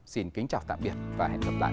xin kính chào tạm biệt và hẹn gặp lại